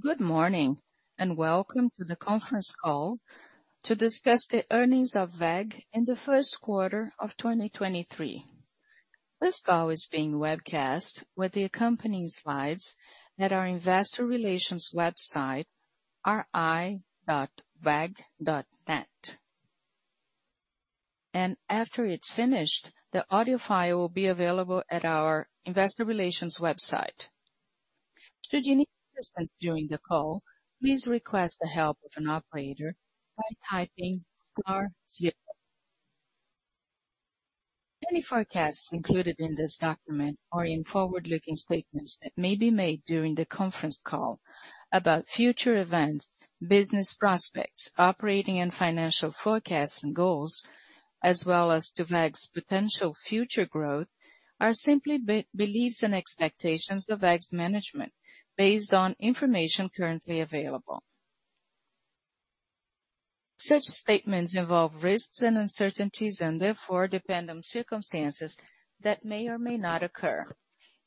Good morning, welcome to the conference call to discuss the earnings of WEG in the Q1 of 2023. This call is being webcast with the accompanying slides at our investor relations website, ri.weg.net. After it's finished, the audio file will be available at our investor relations website. Should you need assistance during the call, please request the help of an operator by typing star zero. Any forecasts included in this document or in forward-looking statements that may be made during the conference call about future events, business prospects, operating and financial forecasts and goals, as well as to WEG's potential future growth, are simply beliefs and expectations of WEG's management based on information currently available. Such statements involve risks and uncertainties, therefore depend on circumstances that may or may not occur.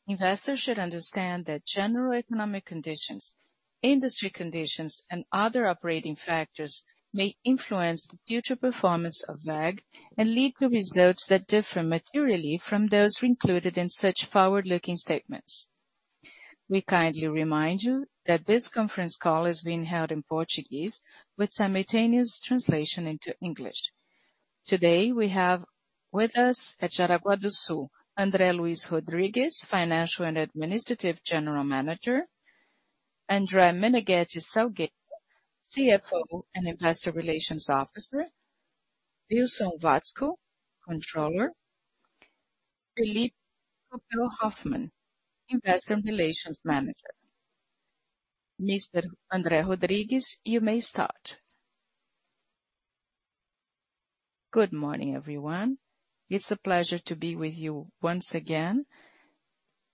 Investors should understand that general economic conditions, industry conditions, and other operating factors may influence the future performance of WEG and lead to results that differ materially from those included in such forward-looking statements. We kindly remind you that this conference call is being held in Portuguese with simultaneous translation into English. Today, we have with us at Jaraguá do Sul, André Luis Rodrigues, Financial and Administrative General Manager. André Menegueti Salgueiro, CFO and Investor Relations Officer. Wilson Watzko, Controller. Felipe Scopel Hoffmann, Investor Relations Manager. Mr. André Rodrigues, you may start. Good morning, everyone. It's a pleasure to be with you once again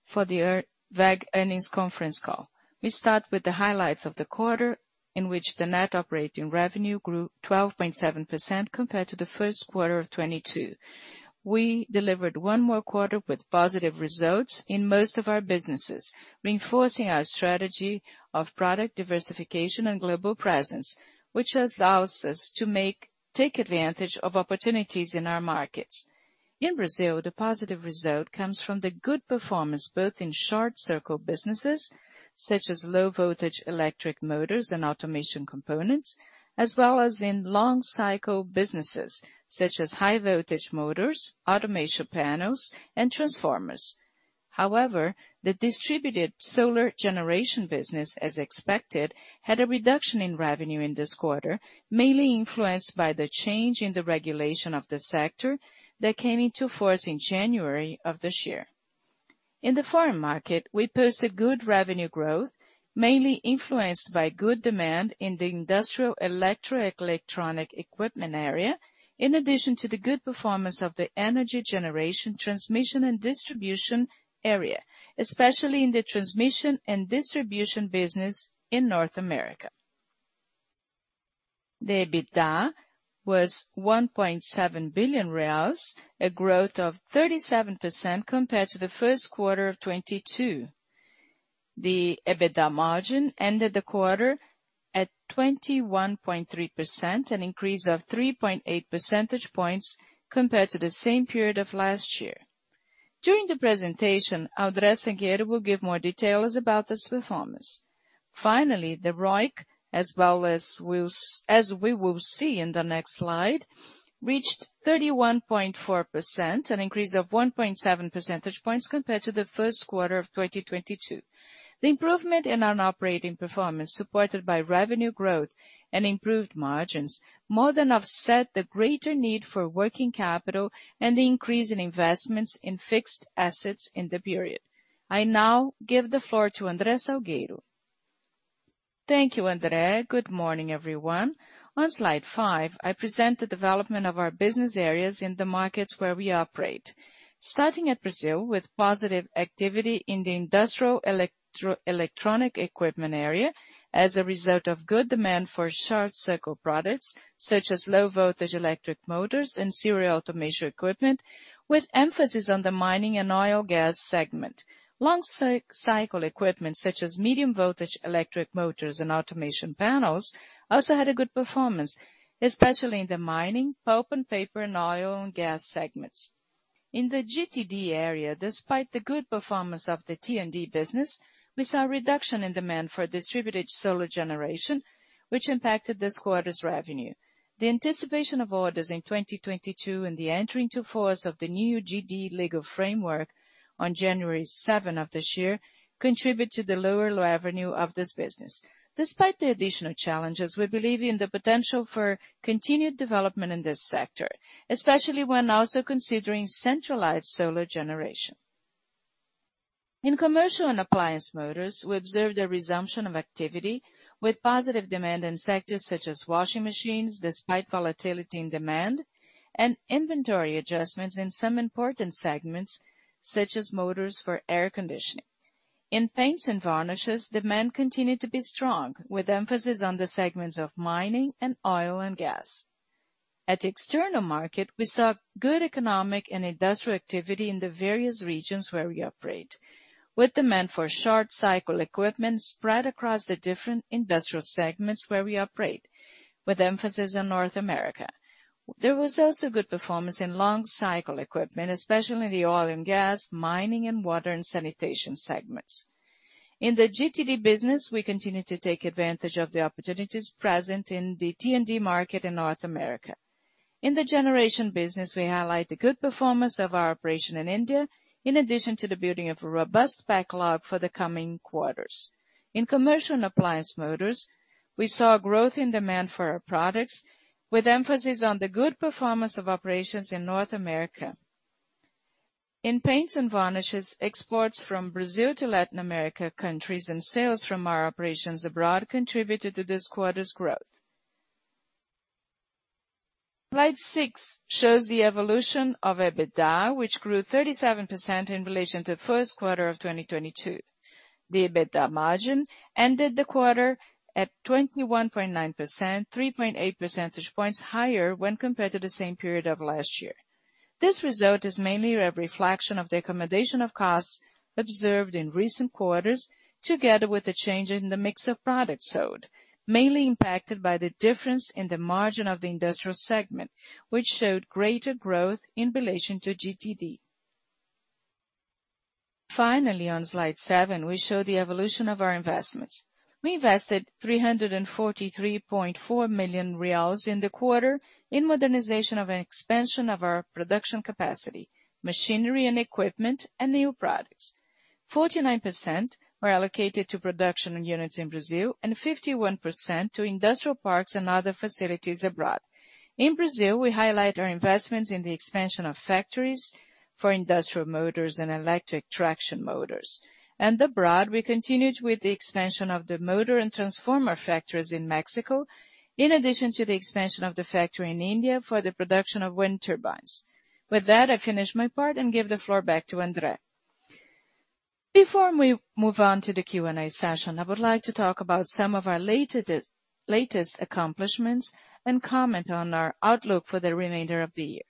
for the WEG earnings conference call. We start with the highlights of the quarter in which the net operating revenue grew 12.7% compared to the Q1 of 2022. We delivered one more quarter with positive results in most of our businesses, reinforcing our strategy of product diversification and global presence, which allows us to take advantage of opportunities in our markets. In Brazil, the positive result comes from the good performance both in short-cycle businesses, such as low-voltage electric motors and automation components, as well as in long-cycle businesses such as high-voltage motors, automation panels, and transformers. However, the distributed solar generation business, as expected, had a reduction in revenue in this quarter, mainly influenced by the change in the regulation of the sector that came into force in January of this year. In the foreign market, we posted good revenue growth, mainly influenced by good demand in the industrial electric electronic equipment area, in addition to the good performance of the energy generation transmission and distribution area, especially in the transmission and distribution business in North America. The EBITDA was 1.7 billion reais, a growth of 37% compared to the Q1 of 2022. The EBITDA margin ended the quarter at 21.3%, an increase of 3.8 percentage points compared to the same period of last year. During the presentation, André Salgueiro will give more details about this performance. Finally, the ROIC, as well as we will see in the next slide, reached 31.4%, an increase of 1.7 percentage points compared to the Q1 of 2022. The improvement in our operating performance, supported by revenue growth and improved margins, more than offset the greater need for working capital and the increase in investments in fixed assets in the period. I now give the floor to André Salgueiro. Thank you, André. Good morning, everyone. On slide five, I present the development of our business areas in the markets where we operate. Starting at Brazil with positive activity in the industrial electro-electronic equipment area as a result of good demand for short-cycle products such as low-voltage electric motors and serial automation equipment, with emphasis on the mining and oil/gas segment. Long-cycle equipment such as medium-voltage electric motors and automation panels also had a good performance, especially in the mining, pulp and paper, and oil and gas segments. In the GTD area, despite the good performance of the T&D business, we saw a reduction in demand for distributed solar generation, which impacted this quarter's revenue. The anticipation of orders in 2022 and the entering to force of the new GD Legal Framework on January 7th of this year contribute to the lower low revenue of this business. Despite the additional challenges, we believe in the potential for continued development in this sector, especially when also considering centralized solar generation. In commercial and appliance motors, we observed a resumption of activity with positive demand in sectors such as washing machines, despite volatility in demand and inventory adjustments in some important segments, such as motors for air conditioning. In paints and varnishes, demand continued to be strong, with emphasis on the segments of mining and oil and gas. At external market, we saw good economic and industrial activity in the various regions where we operate, with demand for short-cycle equipment spread across the different industrial segments where we operate, with emphasis on North America. There was also good performance in long-cycle equipment, especially in the oil and gas, mining, and water and sanitation segments. In the GTD business, we continue to take advantage of the opportunities present in the T&D market in North America. In the generation business, we highlight the good performance of our operation in India, in addition to the building of a robust backlog for the coming quarters. In commercial and appliance motors, we saw growth in demand for our products, with emphasis on the good performance of operations in North America. In paints and varnishes, exports from Brazil to Latin America, countries and sales from our operations abroad contributed to this quarter's growth. Slide six shows the evolution of EBITDA, which grew 37% in relation to Q1 of 2022. The EBITDA margin ended the quarter at 21.9%, 3.8 percentage points higher when compared to the same period of last year. This result is mainly a reflection of the accommodation of costs observed in recent quarters, together with the change in the mix of products sold, mainly impacted by the difference in the margin of the industrial segment, which showed greater growth in relation to GTD. Finally, on slide seven, we show the evolution of our investments. We invested BRL 343.4 million in the quarter in modernization of an expansion of our production capacity, machinery and equipment, and new products. 49% were allocated to production units in Brazil and 51% to industrial parks and other facilities abroad. In Brazil, we highlight our investments in the expansion of factories for industrial motors and electric traction motors. Abroad, we continued with the expansion of the motor and transformer factories in Mexico, in addition to the expansion of the factory in India for the production of wind turbines. With that, I finish my part and give the floor back to André. Before we move on to the Q&A session, I would like to talk about some of our latest accomplishments and comment on our outlook for the remainder of the year.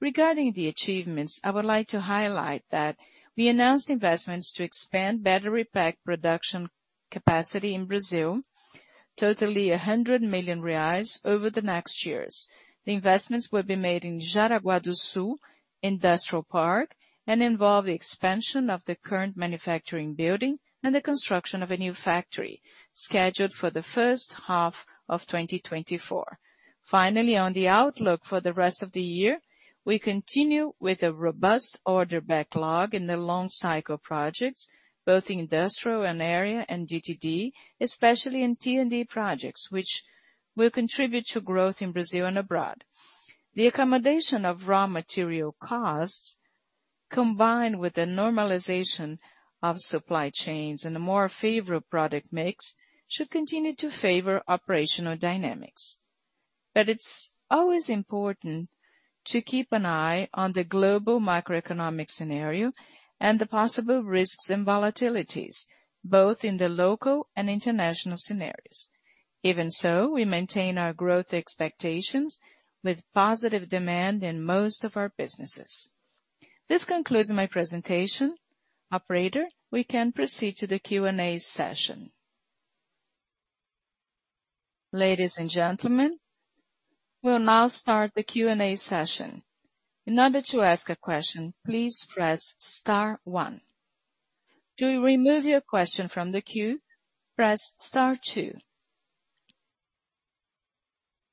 Regarding the achievements, I would like to highlight that we announced investments to expand battery pack production capacity in Brazil, totally 100 million reais over the next years. The investments will be made in Jaraguá do Sul Industrial Park and involve the expansion of the current manufacturing building and the construction of a new factory scheduled for the H1 of 2024. Finally, on the outlook for the rest of the year, we continue with a robust order backlog in the long-cycle projects, both in industrial and area and GTD, especially in T&D projects, which will contribute to growth in Brazil and abroad. The accommodation of raw material costs, combined with the normalization of supply chains and a more favorable product mix, should continue to favor operational dynamics. It's always important to keep an eye on the global macroeconomic scenario and the possible risks and volatilities, both in the local and international scenarios. Even so, we maintain our growth expectations with positive demand in most of our businesses. This concludes my presentation. Operator, we can proceed to the Q&A session. Ladies and gentlemen, we'll now start the Q&A session. In order to ask a question, please press star one. To remove your question from the queue, press star two.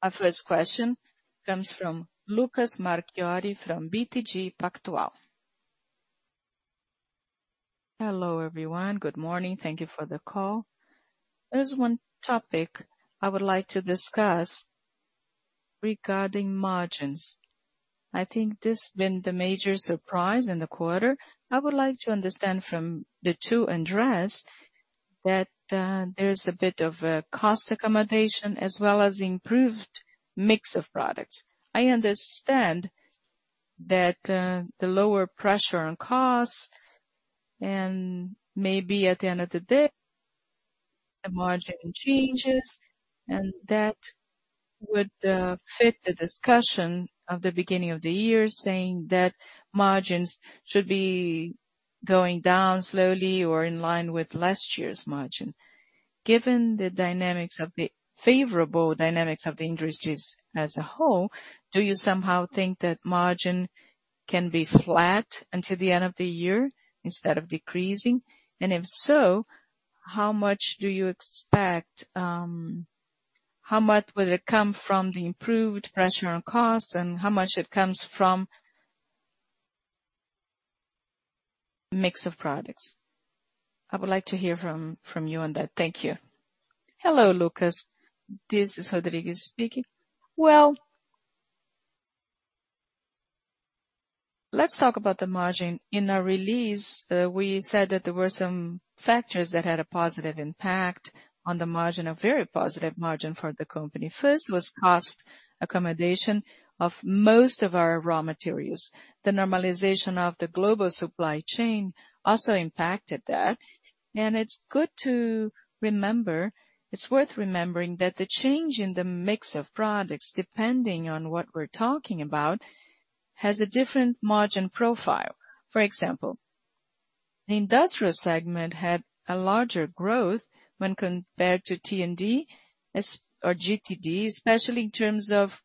Our first question comes from Lucas Marquiori from BTG Pactual. Hello, everyone. Good morning. Thank you for the call. There's one topic I would like to discuss regarding margins. I think this has been the major surprise in the quarter. I would like to understand from the two Andres that there is a bit of a cost accommodation as well as improved mix of products. I understand that, the lower pressure on costs and maybe at the end of the day, the margin changes, and that would fit the discussion of the beginning of the year saying that margins should be going down slowly or in line with last year's margin. Given the dynamics of the favorable dynamics of the industries as a whole, do you somehow think that margin can be flat until the end of the year instead of decreasing? If so, how much will it come from the improved pressure on costs and how much it comes from mix of products? I would like to hear from you on that. Thank you. Hello, Lucas. This is Rodrigues speaking. Let's talk about the margin. In our release, we said that there were some factors that had a positive impact on the margin, a very positive margin for the company. First was cost accommodation of most of our raw materials. The normalization of the global supply chain also impacted that. It's worth remembering that the change in the mix of products, depending on what we're talking about, has a different margin profile. For example, the industrial segment had a larger growth when compared to T&D or GTD, especially in terms of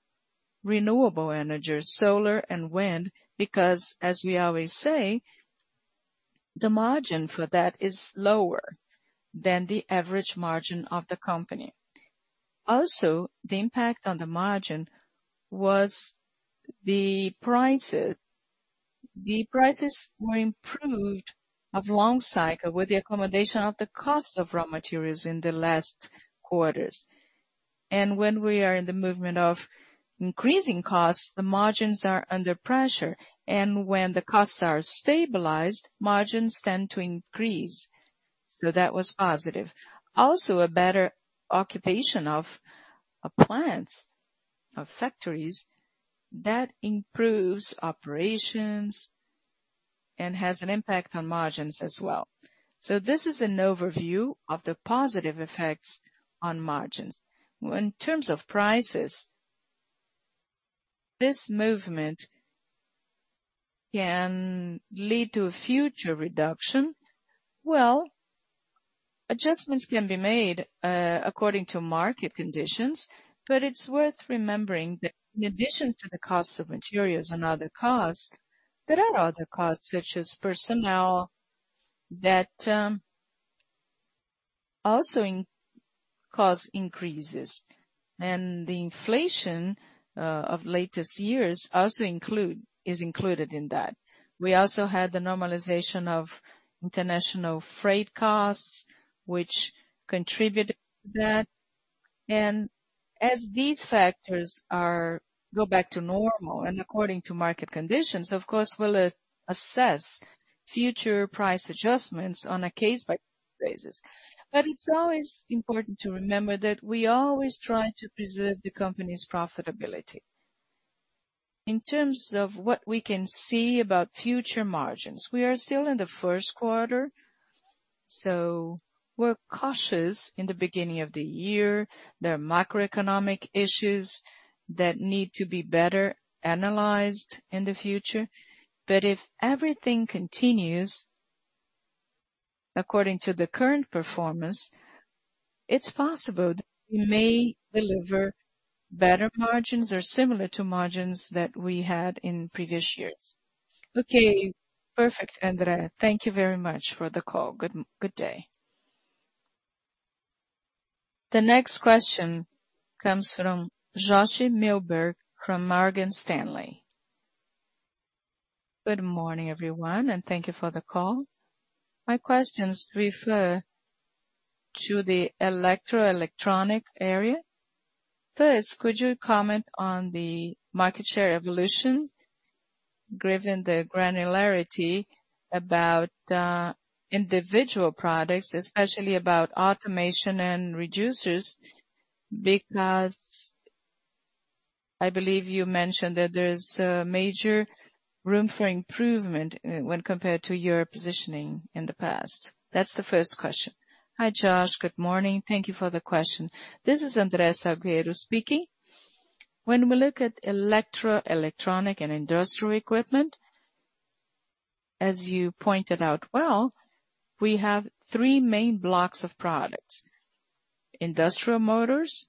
renewable energy, solar and wind, because as we always say, the margin for that is lower than the average margin of the company. The impact on the margin was the prices. The prices were improved of long-cycle with the accommodation of the cost of raw materials in the last quarters. When we are in the movement of increasing costs, the margins are under pressure. When the costs are stabilized, margins tend to increase. That was positive. Also, a better occupation of plants, of factories, that improves operations and has an impact on margins as well. This is an overview of the positive effects on margins. In terms of prices, this movement can lead to a future reduction. Adjustments can be made according to market conditions. It's worth remembering that in addition to the cost of materials and other costs, there are other costs, such as personnel that also cause increases. The inflation of latest years also is included in that. We also had the normalization of international freight costs, which contributed to that. As these factors go back to normal and according to market conditions, of course we'll assess future price adjustments on a case to basis. It's always important to remember that we always try to preserve the company's profitability. In terms of what we can see about future margins, we are still in the Q1, so we're cautious in the beginning of the year. There are macroeconomic issues that need to be better analyzed in the future. If everything continues according to the current performance, it's possible that we may deliver better margins or similar to margins that we had in previous years. Okay. Perfect, André. Thank you very much for the call. Good day. The next question comes from Josh Milberg, from Morgan Stanley. Good morning, everyone, and thank you for the call. My questions refer to the electro electronic area. First, could you comment on the market share evolution given the granularity about individual products, especially about automation and reducers, because I believe you mentioned that there's major room for improvement when compared to your positioning in the past. That's the first question. Hi, Josh. Good morning. Thank you for the question. This is André Salgueiro speaking. When we look at electro electronic and industrial equipment, as you pointed out well, we have three main blocks of products. Industrial motors,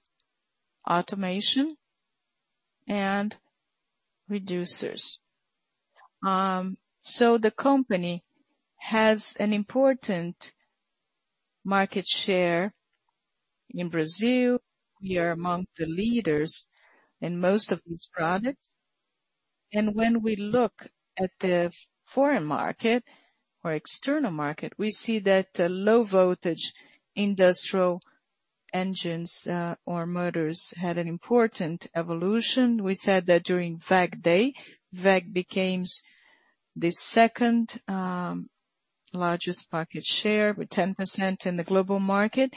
automation, and reducers. The company has an important market share in Brazil. We are among the leaders in most of these products. When we look at the foreign market or external market, we see that low voltage industrial engines or motors had an important evolution. We said that during WEG Day, WEG became the second largest market share with 10% in the global market.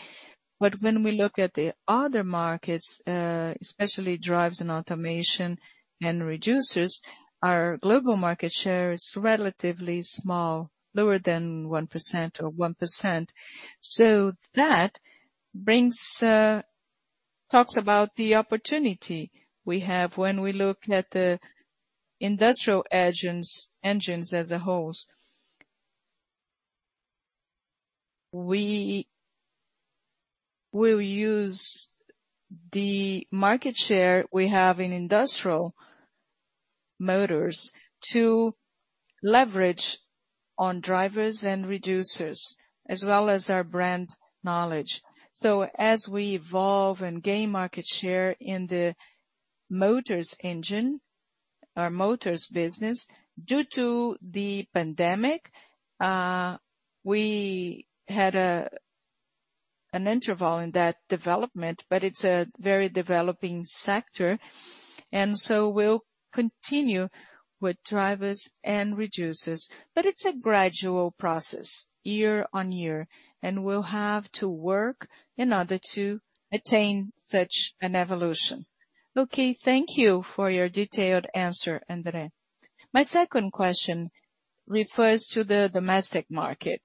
When we look at the other markets, especially drives and automation and reducers, our global market share is relatively small, lower than 1% or 1%. That brings talks about the opportunity we have when we look at the industrial engines as a whole. We will use the market share we have in industrial motors to leverage on drives and reducers, as well as our brand knowledge. As we evolve and gain market share in the motors business. Due to the pandemic, we had an interval in that development, but it's a very developing sector, and so we'll continue with drives and reducers. It's a gradual process year on year, and we'll have to work in order to attain such an evolution. Okay, thank you for your detailed answer, André. My second question refers to the domestic market.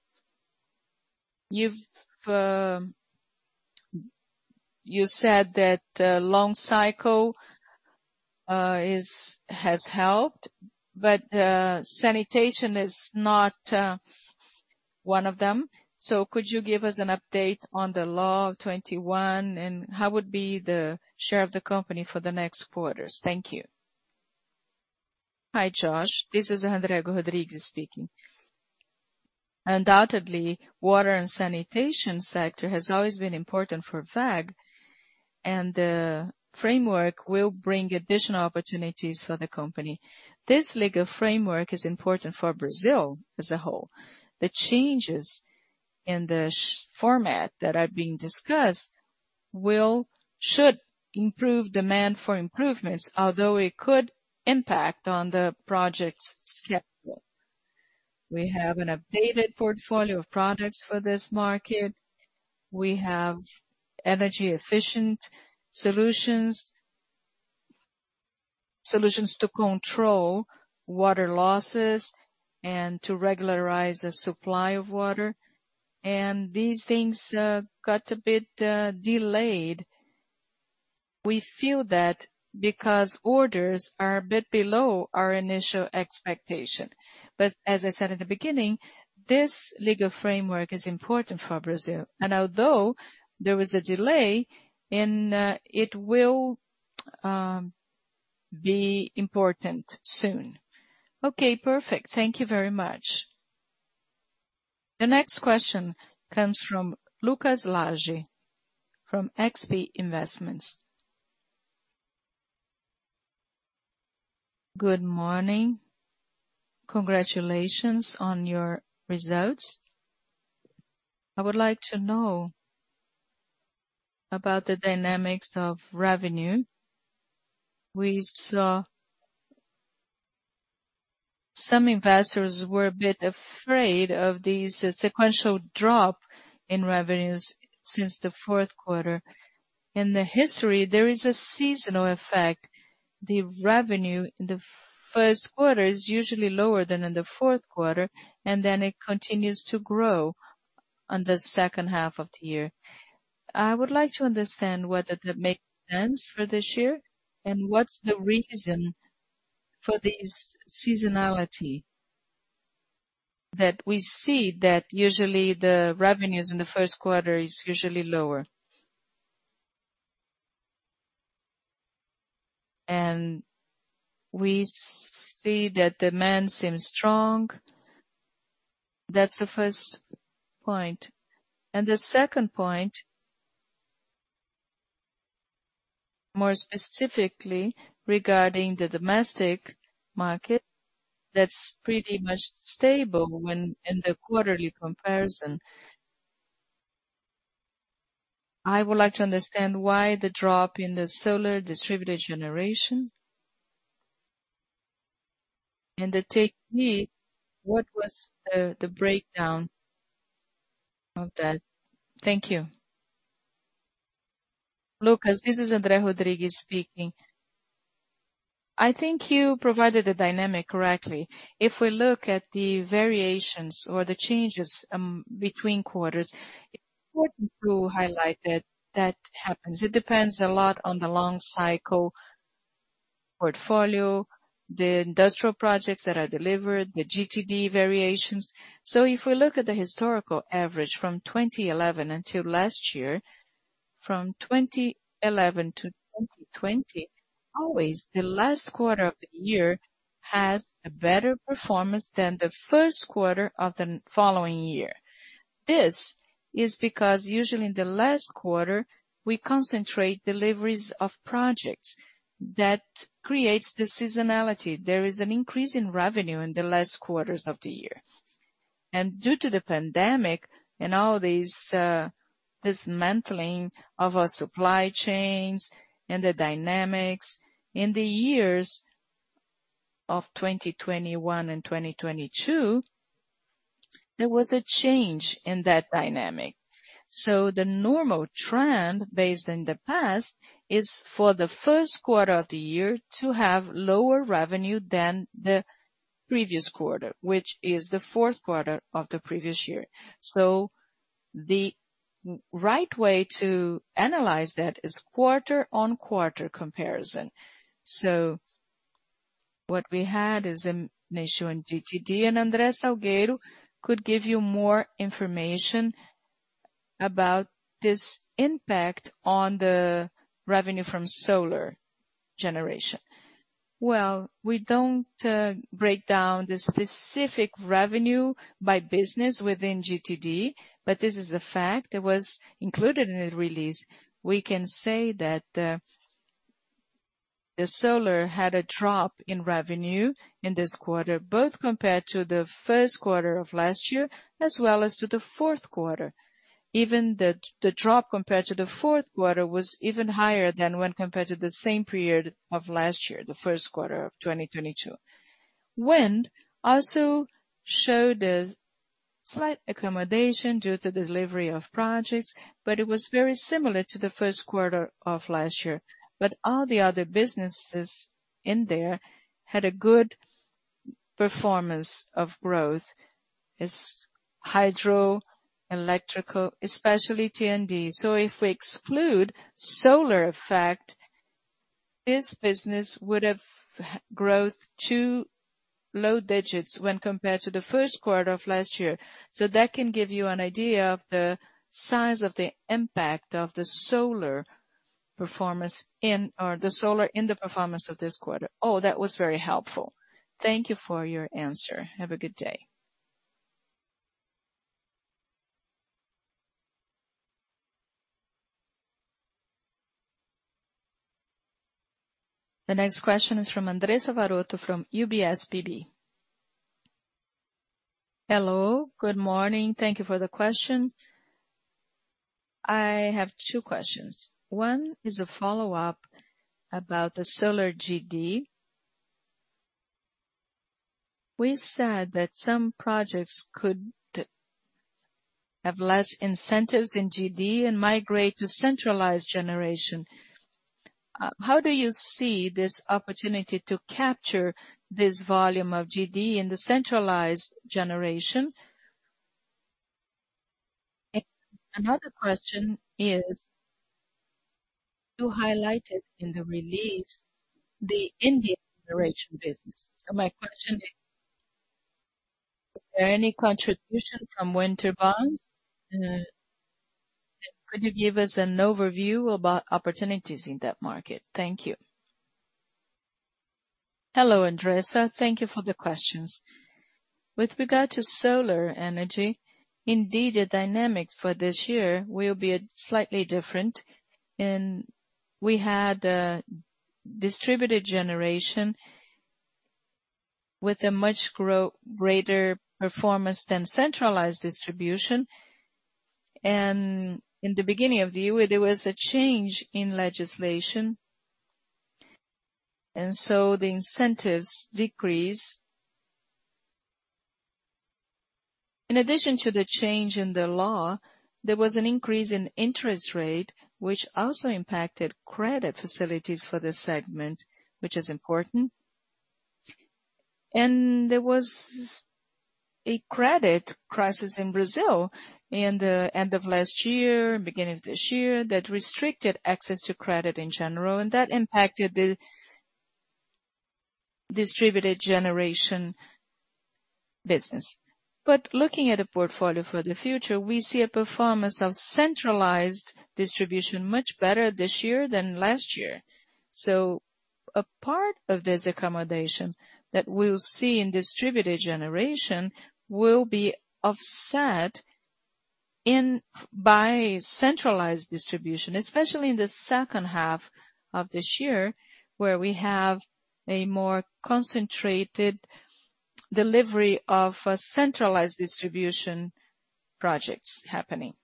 You've said that long cycle has helped, sanitation is not one of them. Could you give us an update on the law of 21, and how would be the share of the company for the next quarters? Thank you. Hi, Josh. This is André Luís Rodrigues speaking. Undoubtedly, water and sanitation sector has always been important for WEG, and the framework will bring additional opportunities for the company. This legal framework is important for Brazil as a whole. The changes in the format that are being discussed should improve demand for improvements, although it could impact on the project's schedule. We have an updated portfolio of products for this market. We have energy-efficient solutions. Solutions to control water losses and to regularize the supply of water. These things got a bit delayed. We feel that because orders are a bit below our initial expectation. As I said at the beginning, this legal framework is important for Brazil, and although there was a delay in, it will be important soon. Okay, perfect. Thank you very much. The next question comes from Lucas Laghi from XP Investments. Good morning. Congratulations on your results. I would like to know about the dynamics of revenue. We saw some investors were a bit afraid of this sequential drop in revenues since the Q4. In the history, there is a seasonal effect. The revenue in the Q1 is usually lower than in the Q4, and then it continues to grow on the H2 of the year. I would like to understand whether that make sense for this year, and what's the reason for this seasonality that we see that usually the revenues in the Q1 is usually lower. We see that demand seems strong. That's the first point. The second point, more specifically regarding the domestic market, that's pretty much stable when in the quarterly comparison. I would like to understand why the drop in the solar Distributed Generation. The tech need, what was the breakdown of that? Thank you. Lucas, this is André Luís Rodrigues speaking. I think you provided the dynamic correctly. If we look at the variations or the changes between quarters, it's important to highlight that that happens. It depends a lot on the long cycle portfolio, the industrial projects that are delivered, the GTD variations. If we look at the historical average from 2011 until last year, from 2011 to 2020, always the last quarter of the year has a better performance than the Q1 of the following year. This is because usually in the last quarter, we concentrate deliveries of projects. That creates the seasonality. There is an increase in revenue in the last quarters of the year. Due to the pandemic and all these, dismantling of our supply chains and the dynamics in the years of 2021 and 2022, there was a change in that dynamic. The normal trend based in the past is for the Q1 of the year to have lower revenue than the previous quarter, which is the Q4 of the previous year. The right way to analyze that is quarter-on-quarter comparison. What we had is an issue in GTD, and André Salgueiro could give you more information about this impact on the revenue from solar generation. We don't break down the specific revenue by business within GTD, but this is a fact that was included in the release. We can say that the solar had a drop in revenue in this quarter, both compared to the Q1 of last year as well as to the Q4. Even the drop compared to the Q4 was even higher than when compared to the same period of last year, the Q1 of 2022. Wind also showed a slight accommodation due to delivery of projects, but it was very similar to the Q1 of last year. All the other businesses in there had a good performance of growth is hydro, electrical, especially T&D. If we exclude solar effect, this business would have growth 2 low digits when compared to the 1st quarter of last year. That can give you an idea of the size of the impact of the solar performance or the solar in the performance of this quarter. That was very helpful. Thank you for your answer. Have a good day. The next question is from Andressa Varotto from UBS BB. Hello, good morning. Thank you for the question. I have 2 questions. One is a follow-up about the solar GD. We said that some projects could have less incentives in GD and migrate to centralized generation. How do you see this opportunity to capture this volume of GD in the centralized generation? Another question is, you highlighted in the release the India generation business. My question, is there any contribution from wind turbines? Could you give us an overview about opportunities in that market? Thank you. Hello, Andressa. Thank you for the questions. With regard to solar energy, indeed, the dynamic for this year will be slightly different. We had distributed generation with a much greater performance than centralized distribution. In the beginning of the year, there was a change in legislation. The incentives decreased. In addition to the change in the law, there was an increase in interest rate, which also impacted credit facilities for this segment, which is important. There was a credit crisis in Brazil in the end of last year, beginning of this year, that restricted access to credit in general, and that impacted the distributed generation business. Looking at a portfolio for the future, we see a performance of centralized solar generation much better this year than last year. A part of this accommodation that we'll see in distributed solar generation will be offset by centralized solar generation, especially in the H2 of this year, where we have a more concentrated delivery of centralized solar generation projects happening.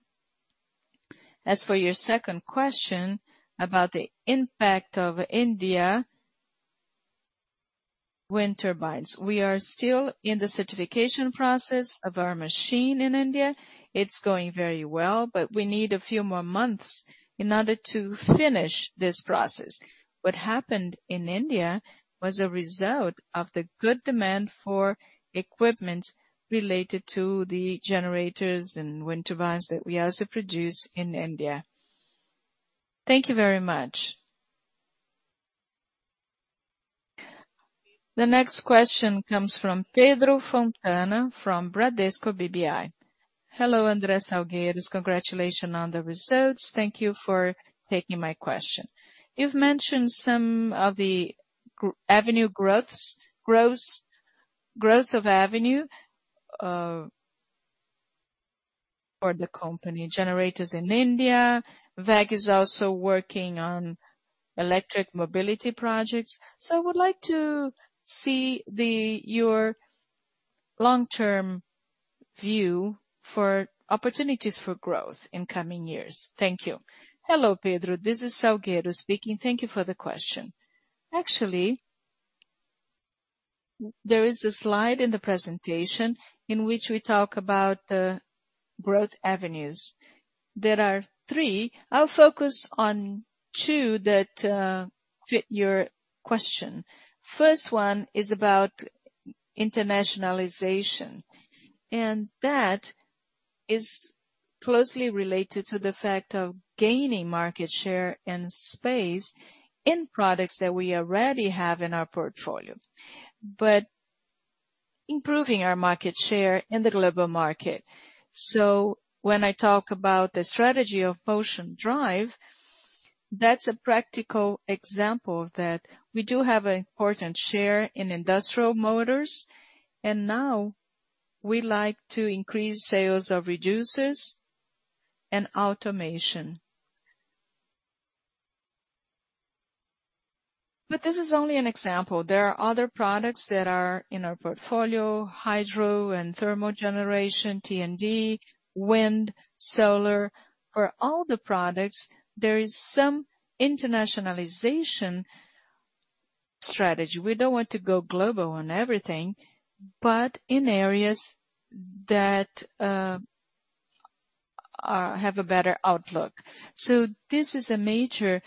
As for your second question about the impact of India wind turbines, we are still in the certification process of our machine in India. It's going very well, we need a few more months in order to finish this process. What happened in India was a result of the good demand for equipment related to the generators and wind turbines that we also produce in India. Thank you very much. The next question comes from Pedro Fontana from Bradesco BBI. Hello, André Salgueiro. Congratulations on the results. Thank you for taking my question. You've mentioned some of the avenue growths of avenue for the company generators in India. WEG is also working on electric mobility projects. I would like to see your long-term view for opportunities for growth in coming years. Thank you. Hello, Pedro. This is Salgueiro speaking. Thank you for the question. Actually, there is a slide in the presentation in which we talk about the growth avenues. There are three. I'll focus on two that fit your question. First one is about internationalization, and that is closely related to the fact of gaining market share and space in products that we already have in our portfolio, but improving our market share in the global market. When I talk about the strategy of Motion Drives, that's a practical example of that. We do have an important share in industrial motors, now we like to increase sales of reducers and automation. This is only an example. There are other products that are in our portfolio, hydro and thermal generation, T&D, wind, solar. For all the products, there is some internationalization strategy. We don't want to go global on everything, but in areas that have a better outlook. This is a major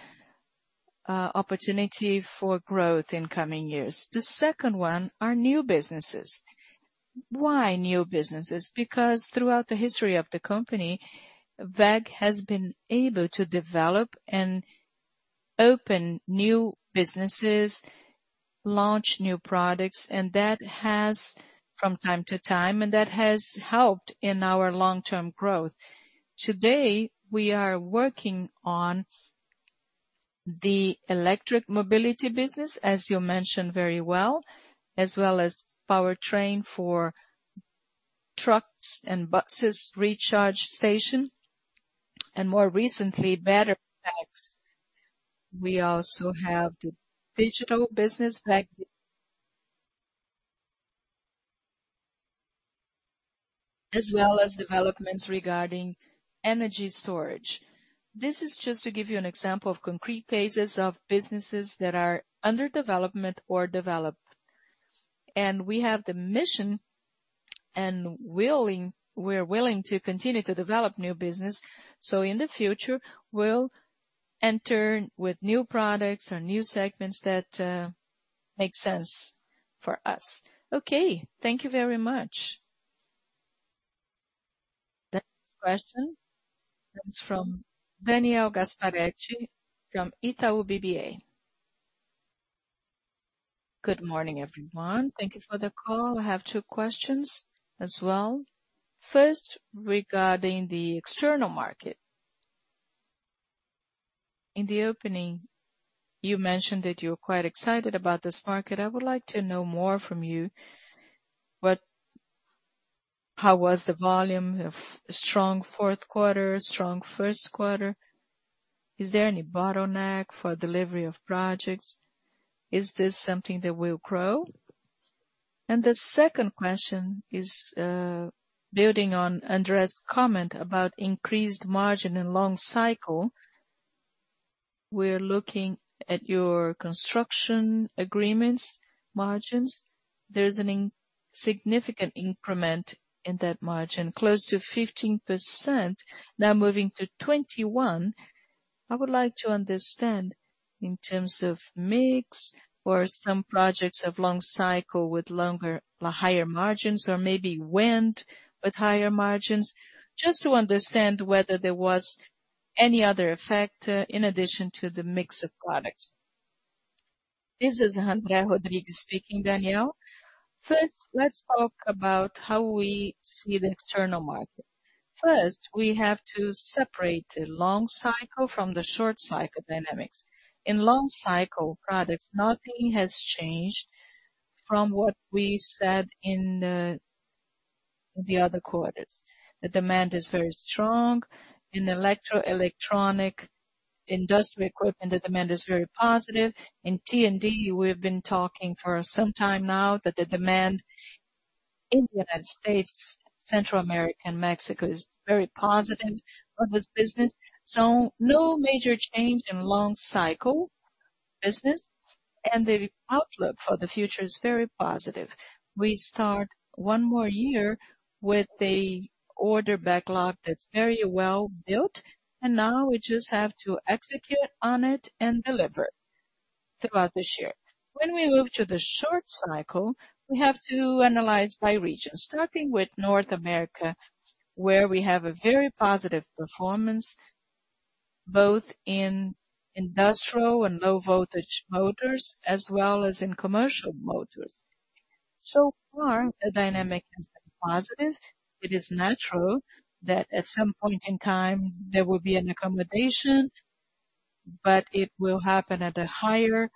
opportunity for growth in coming years. The second one are new businesses. Why new businesses? Because throughout the history of the company, WEG has been able to develop and open new businesses, launch new products, and that has from time to time helped in our long-term growth. Today, we are working on the electric mobility business, as you mentioned very well, as well as powertrain for trucks and buses recharge station, and more recently, battery packs. We also have the digital business as well as developments regarding energy storage. This is just to give you an example of concrete cases of businesses that are under development or developed. We have the mission and we're willing to continue to develop new business. In the future, we'll enter with new products or new segments that make sense for us. Okay, thank you very much. Next question comes from Daniel Gasparetti from Itaú BBA. Good morning, everyone. Thank you for the call. I have two questions as well. First, regarding the external market. In the opening, you mentioned that you're quite excited about this market. I would like to know more from you. How was the volume of strong Q4, strong Q1? Is there any bottleneck for delivery of projects? Is this something that will grow? The second question is, building on André's comment about increased margin and long cycle. We're looking at your construction agreements margins. There's a significant increment in that margin, close to 15% now moving to 21%. I would like to understand in terms of mix or some projects of long cycle with longer or higher margins or maybe wind with higher margins. Just to understand whether there was any other effect, in addition to the mix of products. This is André Luís Rodrigues speaking, Daniel. First, let's talk about how we see the external market. First, we have to separate the long cycle from the short cycle dynamics. In long cycle products, nothing has changed from what we said in the other quarters. The demand is very strong. In electro electronic industrial equipment, the demand is very positive. In T&D, we've been talking for some time now that the demand in the United States, Central America, and Mexico is very positive for this business. No major change in long cycle business, and the outlook for the future is very positive. We start one more year with a order backlog that's very well built, and now we just have to execute on it and deliver throughout this year. When we move to the short cycle, we have to analyze by region, starting with North America, where we have a very positive performance, both in industrial and low-voltage motors, as well as in commercial motors. So far, the dynamic has been positive. It is natural that at some point in time there will be an accommodation, but it will happen at a higher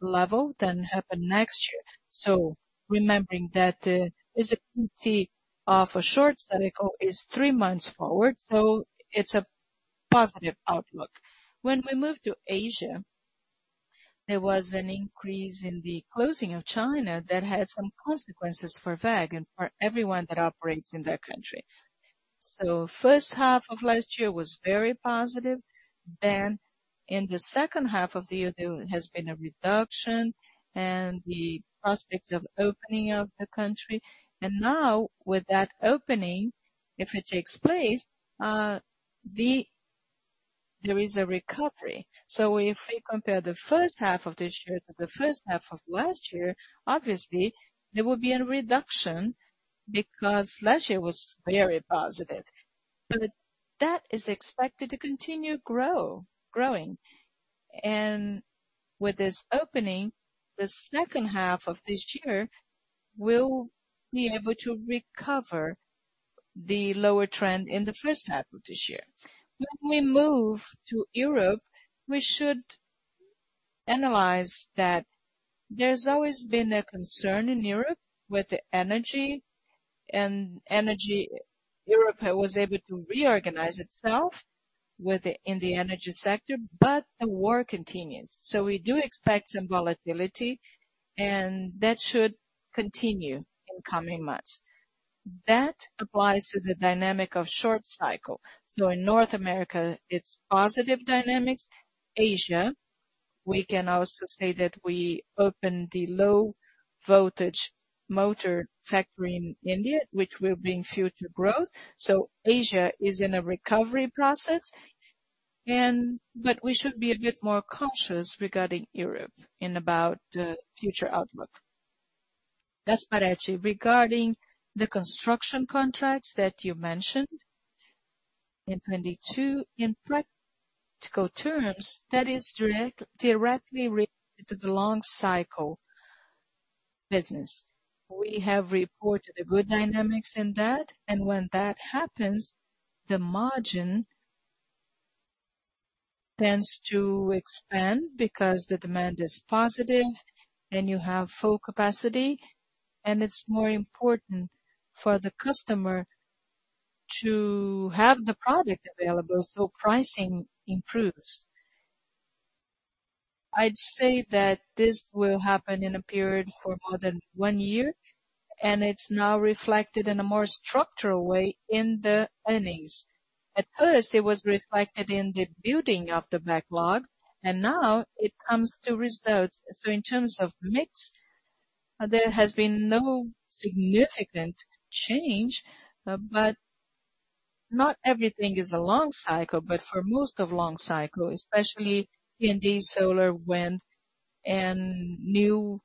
level than happen next year. Remembering that the visibility of a short-cycle is three months forward, so it's a positive outlook. When we moved to Asia, there was an increase in the closing of China that had some consequences for WEG and for everyone that operates in that country. H1 of last year was very positive. In the H2 of the year, there has been a reduction and the prospect of opening of the country. Now with that opening, if it takes place, there is a recovery. If we compare the H1 of this year to the H1 of last year, obviously, there will be a reduction because last year was very positive. That is expected to continue growing. With this opening, the H2 of this year, we'll be able to recover the lower trend in the H1 of this year. When we move to Europe, we should analyze that there's always been a concern in Europe with the energy, and energy, Europe was able to reorganize itself in the energy sector, but the war continues. We do expect some volatility, and that should continue in coming months. That applies to the dynamic of short-cycle. In North America, it's positive dynamics. Asia. We can also say that we opened the low voltage motor factory in India, which will bring future growth. Asia is in a recovery process, but we should be a bit more cautious regarding Europe in about future outlook. As for actually regarding the construction contracts that you mentioned in 22, in practical terms, that is directly related to the long-cycle business. We have reported a good dynamics in that. When that happens, the margin tends to expand because the demand is positive and you have full capacity. It's more important for the customer to have the product available, so pricing improves. I'd say that this will happen in a period for more than 1 year. It's now reflected in a more structural way in the earnings. At first, it was reflected in the building of the backlog. Now it comes to results. In terms of mix, there has been no significant change. Not everything is a long-cycle. For most of long-cycle, especially P&D, solar, wind and new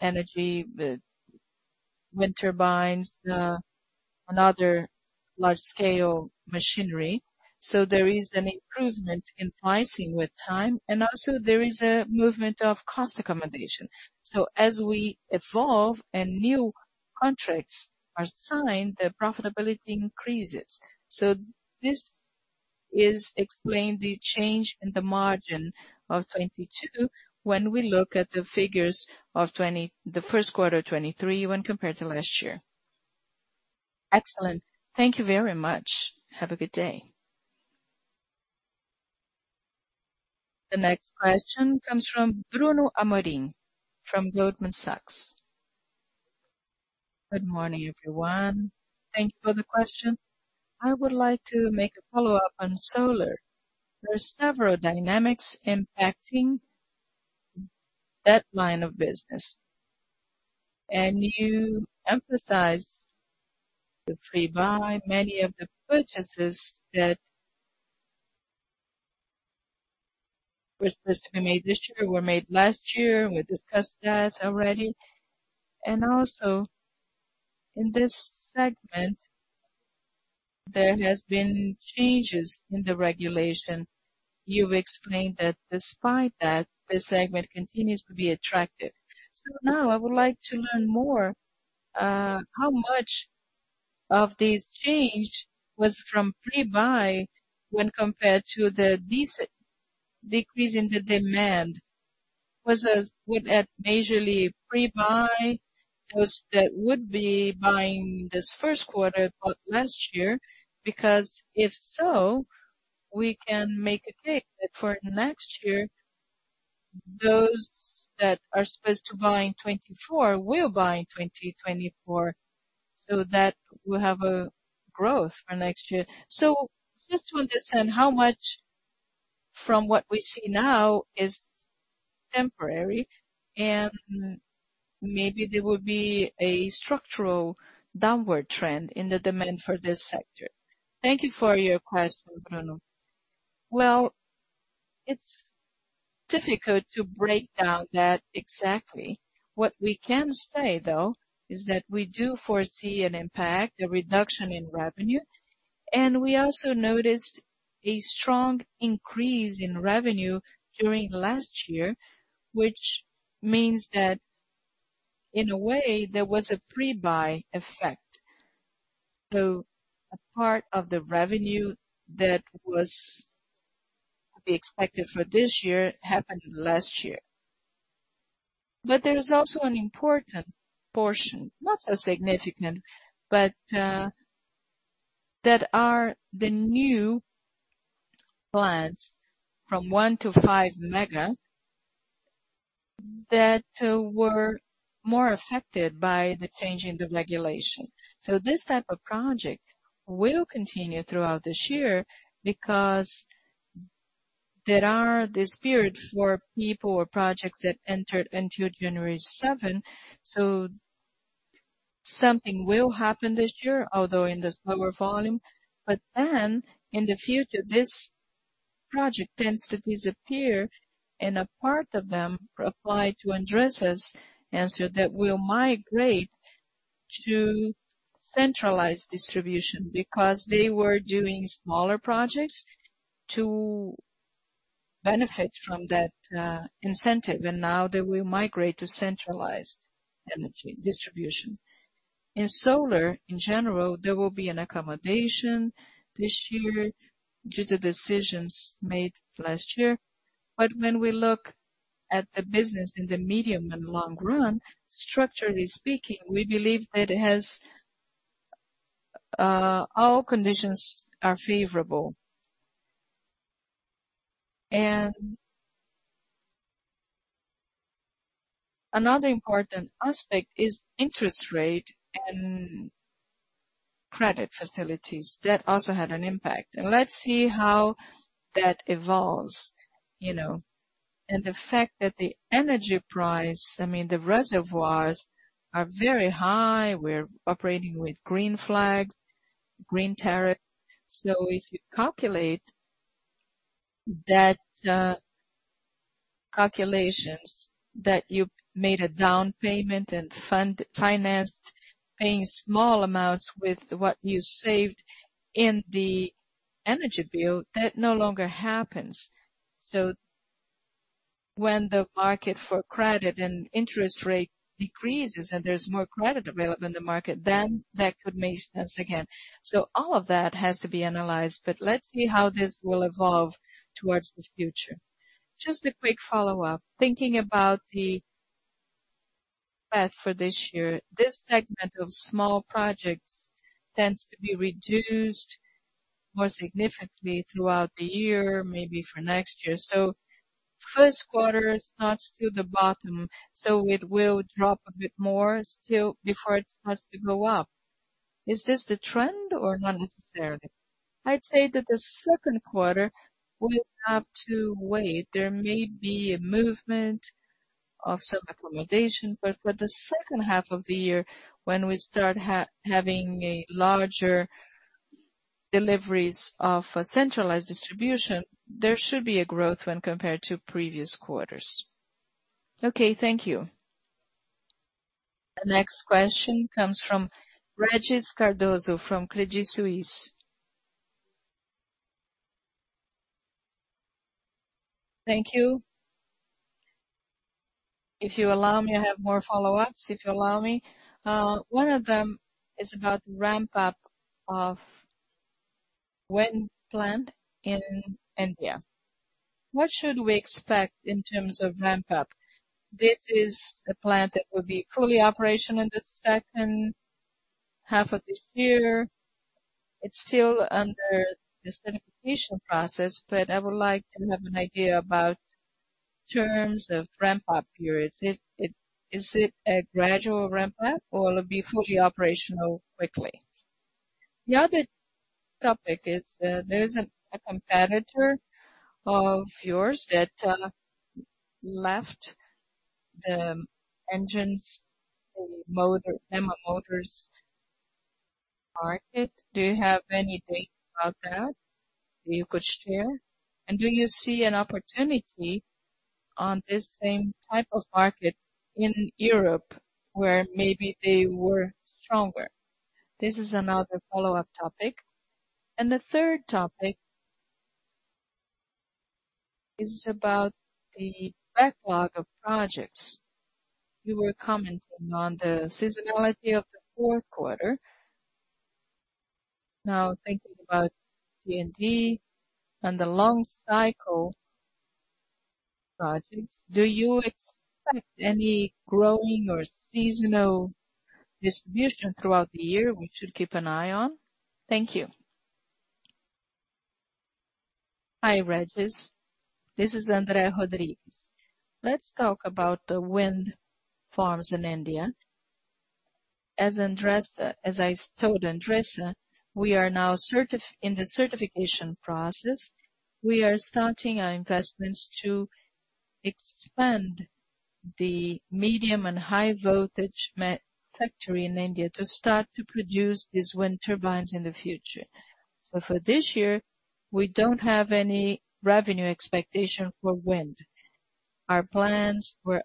energy with wind turbines, and other large scale machinery. There is an improvement in pricing with time. Also, there is a movement of cost accommodation. As we evolve and new contracts are signed, the profitability increases. This is explained the change in the margin of 2022 when we look at the figures of the Q1, 2023 when compared to last year. Excellent. Thank you very much. Have a good day. The next question comes from Bruno Amorim from Goldman Sachs. Good morning, everyone. Thank you for the question. I would like to make a follow-up on solar. There are several dynamics impacting that line of business, and you emphasized the pre-buy. Many of the purchases that were supposed to be made this year were made last year. We discussed that already. Also, in this segment, there has been changes in the regulation. You explained that despite that, this segment continues to be attractive. Now I would like to learn more, how much of this change was from pre-buy when compared to the decrease in the demand. Would that majorly pre-buy those that would be buying this Q1 but last year? If so, we can make a take that for next year, those that are supposed to buy in 2024 will buy in 2024, so that will have a growth for next year. Just to understand how much from what we see now is temporary, and maybe there will be a structural downward trend in the demand for this sector. Thank you for your question, Bruno. Well, it's difficult to break down that exactly. What we can say, though, is that we do foresee an impact, a reduction in revenue. We also noticed a strong increase in revenue during last year, which means that in a way, there was a pre-buy effect. A part of the revenue that was to be expected for this year happened last year. There is also an important portion, not so significant, but that are the new plants from 1-5 mega that were more affected by the change in the regulation. This type of project will continue throughout this year because there are the spirit for people or projects that entered until January seventh. Something will happen this year, although in this lower volume. In the future, this project tends to disappear, and a part of them apply to addresses answer that will migrate to centralized distribution because they were doing smaller projects to benefit from that incentive, and now they will migrate to centralized energy distribution. In solar in general, there will be an accommodation this year due to decisions made last year. When we look at the business in the medium and long run, structurally speaking, we believe that it has all conditions are favorable. Another important aspect is interest rate and credit facilities. That also had an impact. Let's see how that evolves, you know. The fact that the energy price, I mean the reservoirs are very high. We're operating with Green Flag, Green Tariff. If you calculate that, calculations that you made a down payment and financed paying small amounts with what you saved in the energy bill, that no longer happens. When the market for credit and interest rate decreases and there's more credit available in the market, then that could make sense again. All of that has to be analyzed, but let's see how this will evolve towards the future. Just a quick follow-up. Thinking about the path for this year, this segment of small projects tends to be reduced more significantly throughout the year, maybe for next year. Q1 is not still the bottom, so it will drop a bit more still before it has to go up. Is this the trend or not necessarily? I'd say that the Q2, we have to wait. There may be a movement of some accommodation, but for the H2 of the year when we start having a larger deliveries of centralized distribution, there should be a growth when compared to previous quarters. Okay, thank you. The next question comes from Regis Cardoso from Credit Suisse. Thank you. If you allow me, I have more follow-ups, if you allow me. One of them is about ramp up of wind plant in India. What should we expect in terms of ramp up? This is a plant that will be fully operational in the H2 of this year. It's still under this certification process, but I would like to have an idea about terms of ramp up periods. Is it a gradual ramp up or it'll be fully operational quickly? The other topic is that there is a competitor of yours that left the engines, the NEMA motors market. Do you have anything about that that you could share? Do you see an opportunity on this same type of market in Europe where maybe they were stronger? This is another follow-up topic. The third topic is about the backlog of projects. You were commenting on the seasonality of the Q4. Now thinking about T&D and the long cycle projects, do you expect any growing or seasonal distribution throughout the year we should keep an eye on? Thank you. Hi, Regis. This is André Rodriguez. Let's talk about the wind farms in India. As I told Andressa, we are now in the certification process. We are starting our investments to expand the medium and high voltage factory in India to start to produce these wind turbines in the future. For this year, we don't have any revenue expectation for wind. Our plans were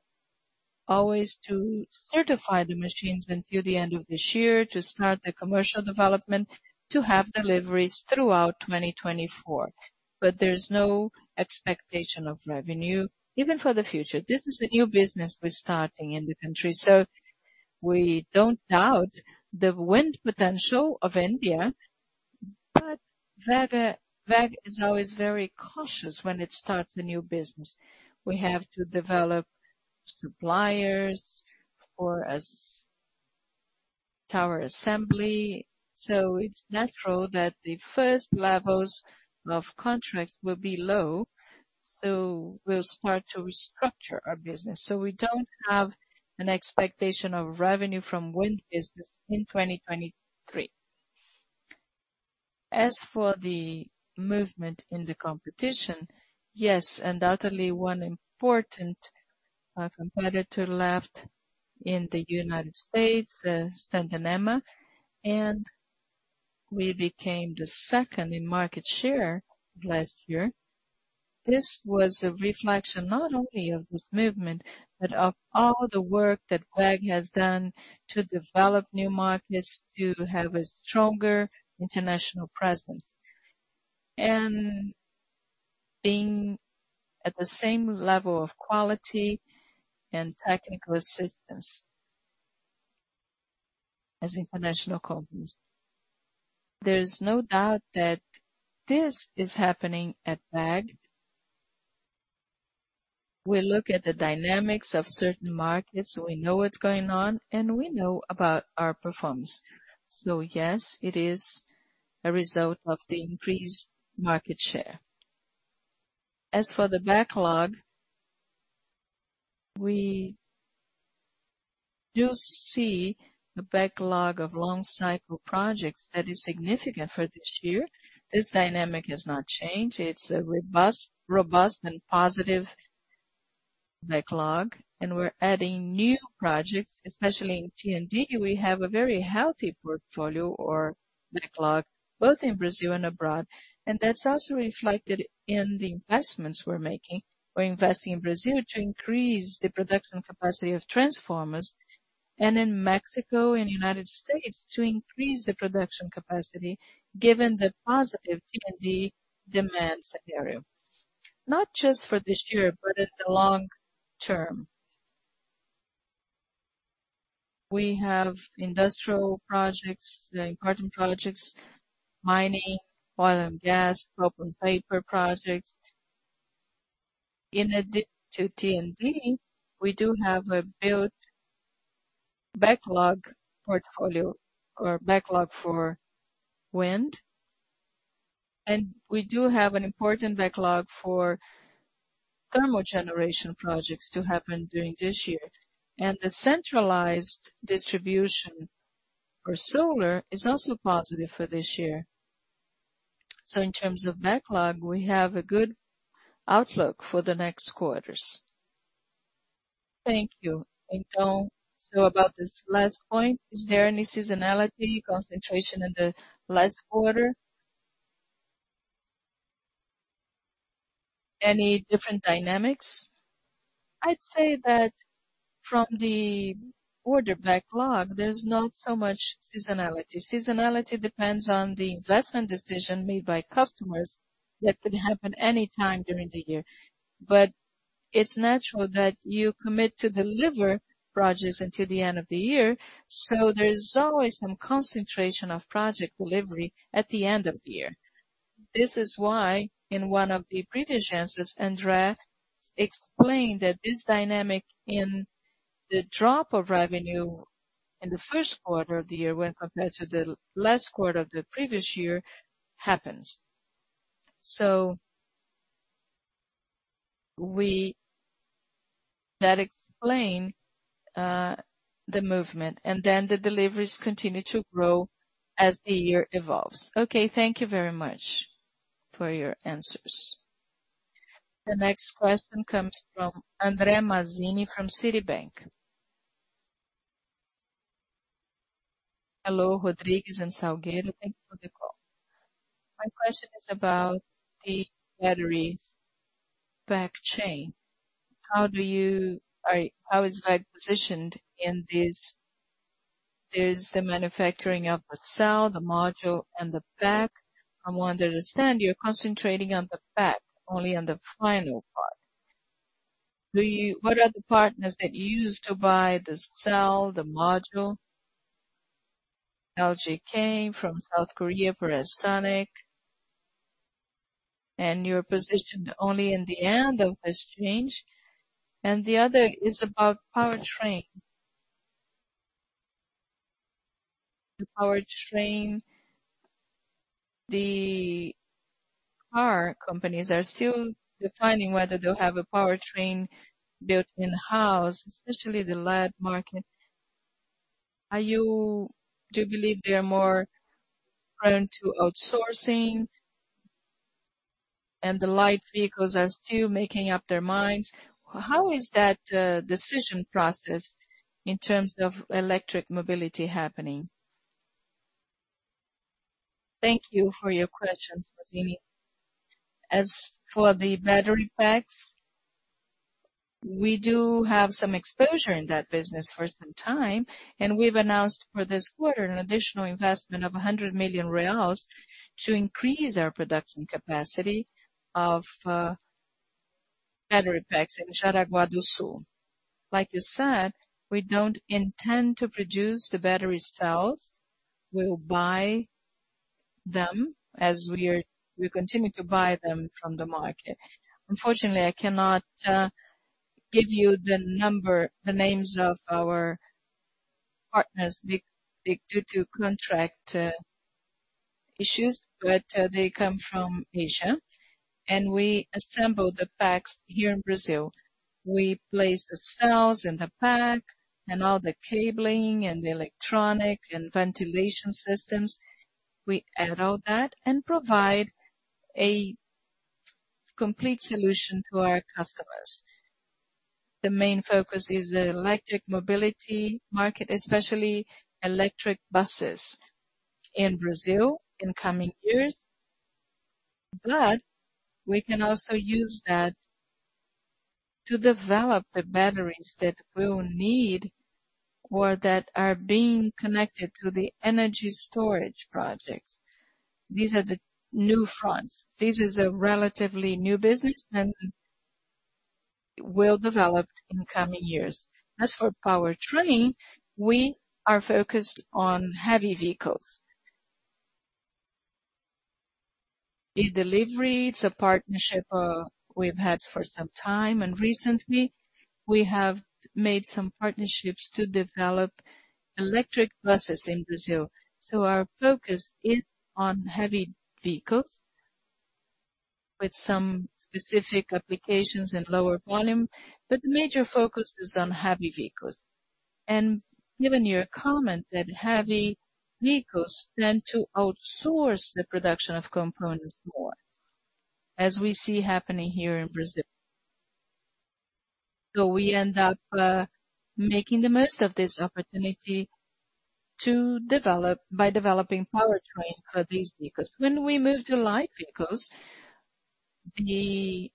always to certify the machines until the end of this year, to start the commercial development, to have deliveries throughout 2024. There's no expectation of revenue, even for the future. This is a new business we're starting in the country, we don't doubt the wind potential of India. Vega, WEG is always very cautious when it starts a new business. We have to develop suppliers for as tower assembly. It's natural that the first levels of contracts will be low, we'll start to restructure our business. We don't have an expectation of revenue from wind business in 2023. As for the movement in the competition, yes, undoubtedly one important competitor left in the United States, Stanton Emma, and we became the second in market share last year. This was a reflection not only of this movement, but of all the work that WEG has done to develop new markets to have a stronger international presence. Being at the same level of quality and technical assistance as international companies, there's no doubt that this is happening at WEG. We look at the dynamics of certain markets, we know what's going on, and we know about our performance. Yes, it is a result of the increased market share. As for the backlog, we do see a backlog of long-cycle projects that is significant for this year. This dynamic has not changed. It's a robust and positive backlog, and we're adding new projects, especially in T&D. We have a very healthy portfolio or backlog both in Brazil and abroad, and that's also reflected in the investments we're making. We're investing in Brazil to increase the production capacity of transformers, and in Mexico and United States to increase the production capacity given the positive T&D demand scenario, not just for this year, but in the long term. We have industrial projects, the important projects, mining, oil and gas, pulp and paper projects. In addition to T&D, we do have a built backlog portfolio or backlog for wind, and we do have an important backlog for thermal generation projects to happen during this year. The centralized distribution for solar is also positive for this year. In terms of backlog, we have a good outlook for the next quarters. Thank you. About this last point, is there any seasonality concentration in the last quarter? Any different dynamics? I'd say that from the order backlog, there's not so much seasonality. Seasonality depends on the investment decision made by customers. That could happen any time during the year. It's natural that you commit to deliver projects until the end of the year. There's always some concentration of project delivery at the end of the year. This is why, in one of the previous answers, André explained that this dynamic in the drop of revenue in the Q1 of the year when compared to the last quarter of the previous year happens. That explain the movement, the deliveries continue to grow as the year evolves. Thank you very much for your answers. The next question comes from André Mazzini from Citi. Hello, Rodrigues and Salgueiro. Thank you for the call. My question is about the battery pack chain. How is like positioned in this? There's the manufacturing of the cell, the module, and the pack. I want to understand, you're concentrating on the pack, only on the final part. What are the partners that you use to buy the cell, the module? LG came from South Korea for Sonic, and you're positioned only in the end of this change. The other is about powertrain. The powertrain, the car companies are still defining whether they'll have a powertrain built in-house, especially the LatAm market. Do you believe they are more prone to outsourcing, and the light vehicles are still making up their minds? How is that decision process in terms of electric mobility happening? Thank you for your questions, Mazzini. As for the battery packs, we do have some exposure in that business for some time. We've announced for this quarter an additional investment of 100 million reais to increase our production capacity of battery packs in Jaraguá do Sul. Like you said, we don't intend to produce the battery cells. We'll buy them as we continue to buy them from the market. Unfortunately, I cannot give you the names of our partners due to contract issues, they come from Asia, we assemble the packs here in Brazil. We place the cells in the pack and all the cabling and the electronic and ventilation systems. We add all that and provide a complete solution to our customers. The main focus is the electric mobility market, especially electric buses in Brazil in coming years. We can also use that to develop the batteries that we'll need or that are being connected to the energy storage projects. These are the new fronts. This is a relatively new business, and it will develop in coming years. As for powertrain, we are focused on heavy vehicles. The delivery, it's a partnership, we've had for some time, and recently we have made some partnerships to develop electric buses in Brazil. Our focus is on heavy vehicles with some specific applications in lower volume. The major focus is on heavy vehicles. Given your comment that heavy vehicles tend to outsource the production of components more, as we see happening here in Brazil. We end up making the most of this opportunity to develop by developing powertrain for these vehicles. When we move to light vehicles, the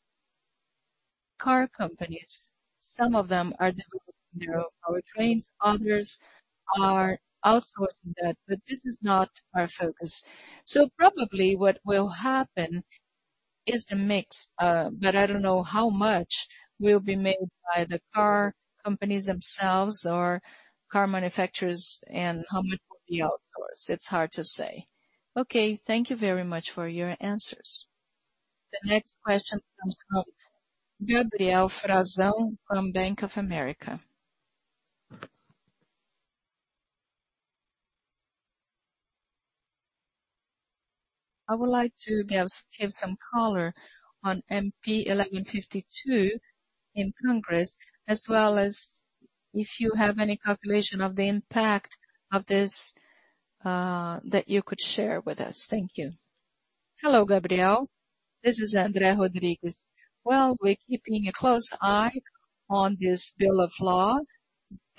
car companies, some of them are developing their own powertrains, others are outsourcing that, but this is not our focus. Probably what will happen is a mix, but I don't know how much will be made by the car companies themselves or car manufacturers and how much will be outsourced. It's hard to say. Thank you very much for your answers. The next question comes from Gabriel Frazão from Bank of America. I would like to give some color on MP 1152 in Congress, as well as if you have any calculation of the impact of this that you could share with us. Thank you. Hello, Gabriel. This is André Luis Rodrigues. We're keeping a close eye on this bill of law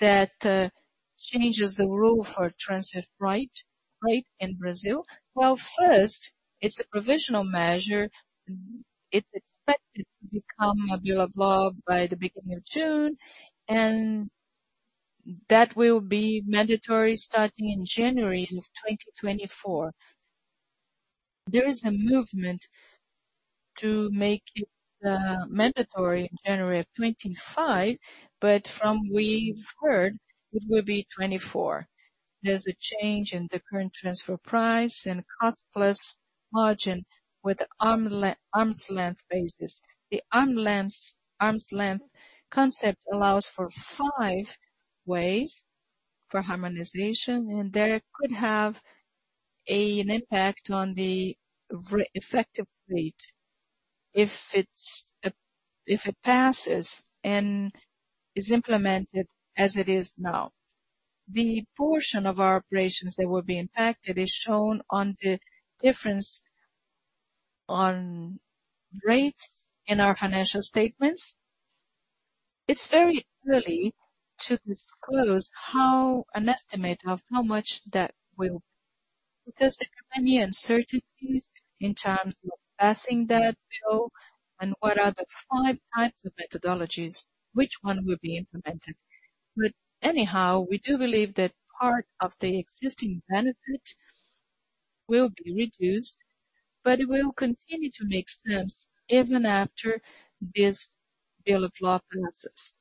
that changes the rule for transfer pricing in Brazil. First, it's a provisional measure. It's expected to become a bill of law by the beginning of June, that will be mandatory starting in January of 2024. There is a movement to make it mandatory in January of 2025, from we've heard, it will be 2024. There's a change in the current transfer price and cost-plus margin with arm's length basis. The arm's length concept allows for five ways for harmonization, that could have an impact on the effective rate if it's, if it passes and is implemented as it is now. The portion of our operations that will be impacted is shown on the difference on rates in our financial statements. It's very early to disclose how an estimate of how much that will be. There are many uncertainties in terms of passing that bill and what are the 5 types of methodologies, which one will be implemented. Anyhow, we do believe that part of the existing benefit will be reduced, but it will continue to make sense even after this bill of law passes.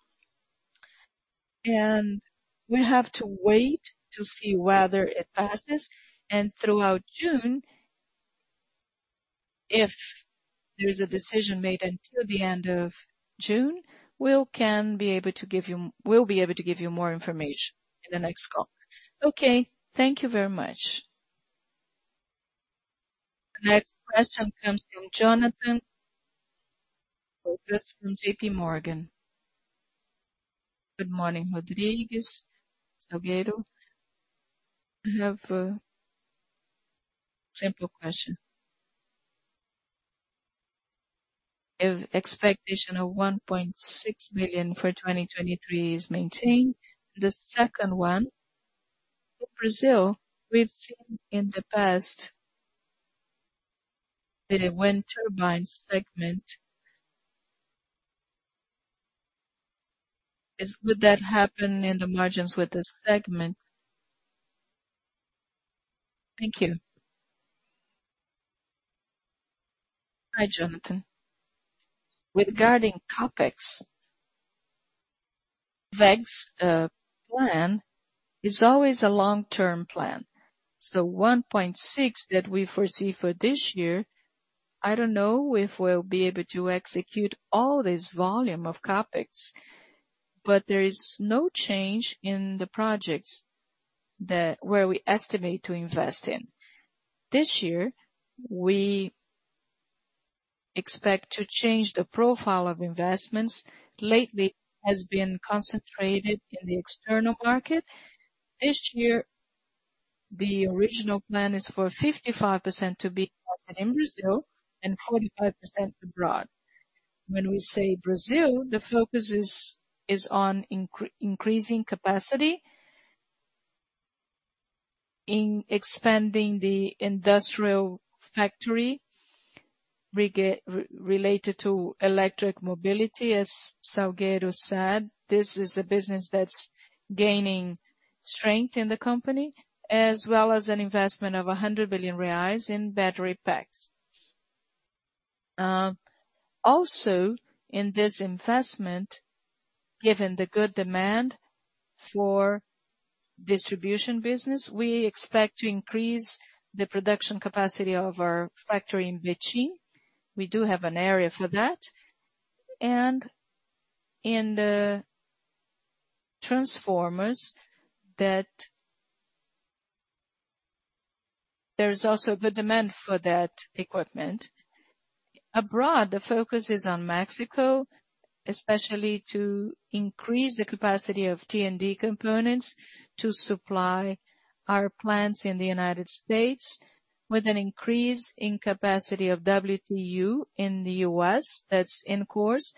We have to wait to see whether it passes. Throughout June, if there is a decision made until the end of June, we'll be able to give you more information in the next call. Okay, thank you very much. The next question comes from Jonathan Fausto from JP Morgan. Good morning, Rodrigues, Salgueiro. I have a simple question. If expectation of 1.6 million for 2023 is maintained. The second one, in Brazil, we've seen in the past that a wind turbine segment. Would that happen in the margins with this segment? Thank you. Hi, Jonathan. Regarding CapEx, WEG's plan is always a long-term plan. 1.6 billion that we foresee for this year, I don't know if we'll be able to execute all this volume of CapEx, but there is no change in the projects where we estimate to invest in. This year, we expect to change the profile of investments. Lately, has been concentrated in the external market. This year, the original plan is for 55% to be invested in Brazil and 45% abroad. When we say Brazil, the focus is on increasing capacity in expanding the industrial factory related to electric mobility. As Salgueiro said, this is a business that's gaining strength in the company, as well as an investment of 100 billion reais in battery packs. Also in this investment, given the good demand for Distribution business, we expect to increase the production capacity of our factory in Bechi. We do have an area for that. In the transformers that... There is also good demand for that equipment. Abroad, the focus is on Mexico, especially to increase the capacity of T&D components to supply our plants in the United States with an increase in capacity of WTU in the U.S.. That's in course.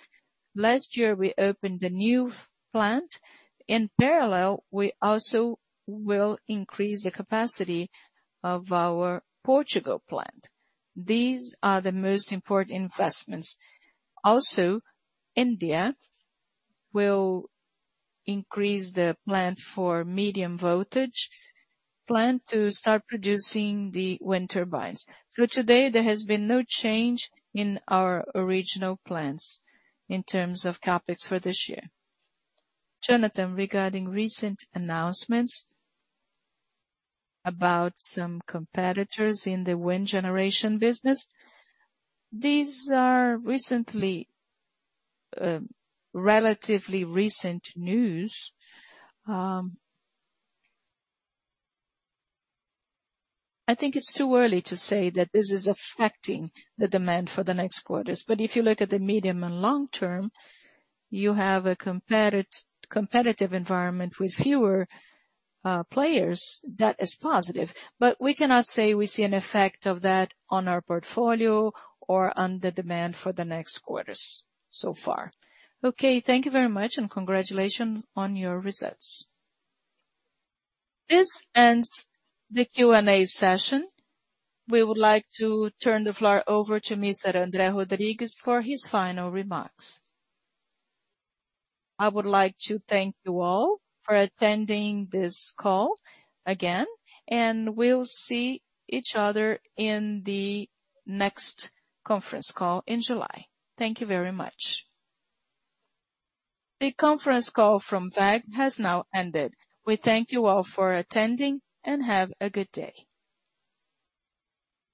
Last year, we opened a new plant. In parallel, we also will increase the capacity of our Portugal plant. These are the most important investments. India will increase the plant for medium voltage. Plan to start producing the wind turbines. Today, there has been no change in our original plans in terms of CapEx for this year. Jonathan, regarding recent announcements about some competitors in the wind generation business, these are recently, relatively recent news. I think it's too early to say that this is affecting the demand for the next quarters. If you look at the medium and long term, you have a competitive environment with fewer players. That is positive. We cannot say we see an effect of that on our portfolio or on the demand for the next quarters so far. Okay, thank you very much, and congratulations on your results. This ends the Q&A session. We would like to turn the floor over to Mr. André Rodrigues for his final remarks. I would like to thank you all for attending this call again, and we'll see each other in the next conference call in July. Thank you very much. The conference call from WEG has now ended. We thank you all for attending, and have a good day.